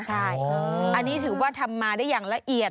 ใช่อันนี้ถือว่าทำมาได้อย่างละเอียด